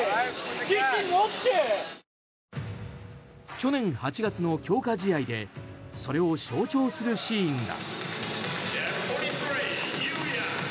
去年８月の強化試合でそれを象徴するシーンが。